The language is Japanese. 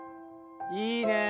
いいね。